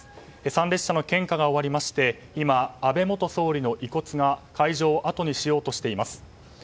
参列者の献花が終わりまして安倍元総理の遺骨が会場をあとにしようとしています。